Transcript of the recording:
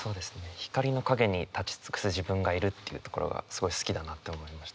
「光りの影に立ち尽くす自分がいる」っていうところがすごい好きだなって思いました。